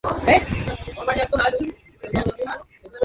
Rossouw, ঘরটা একটুখানি গুছিয়ে নেবার চেষ্টা করি।